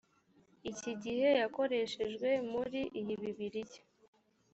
iki gihe yakoreshejwe muri iyi bibiliya